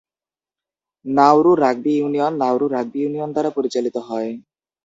Nauru rugby union Nauru rugby union দ্বারা পরিচালিত হয়।